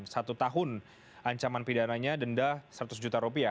satu tahun ancaman pidana nya denda rp seratus